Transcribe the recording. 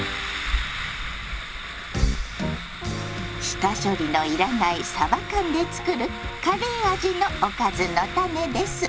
下処理の要らない「さば缶」で作るカレー味のおかずのタネです。